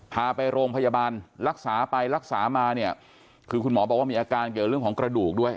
พาไปโรงพยาบาลรักษาไปรักษามาเนี่ยคือคุณหมอบอกว่ามีอาการเกี่ยวเรื่องของกระดูกด้วย